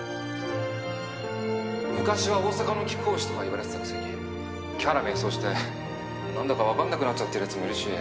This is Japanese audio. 昔は桜咲の貴公子とかいわれてたくせにキャラ迷走して何だか分かんなくなっちゃってるやつもいるし。